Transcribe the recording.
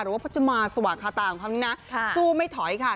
พระจมาสว่างคาตาของเขานี้นะสู้ไม่ถอยค่ะ